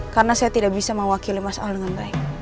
karena saya tidak bisa mewakili mas al dengan baik